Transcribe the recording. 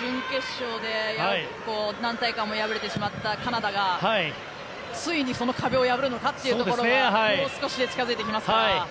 準決勝で何回か敗れてしまったカナダがついに、その壁を破るのかというところがもう少しで近づいてきますから。